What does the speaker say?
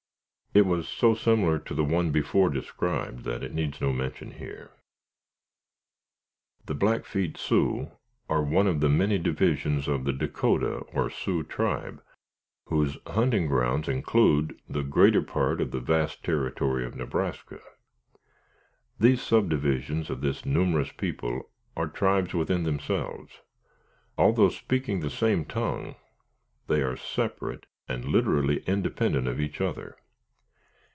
It was so similar to the one before described, that it needs no mention here. The Blackfeet Sioux are one of the many divisions of the Dacotah or Sioux tribe, whose hunting grounds include the greater part of the vast territory of Nebraska. These subdivisions of this numerous people are tribes within themselves. Although speaking the same tongue, they are separate and literally independent of each other.